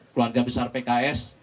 keluarga besar pks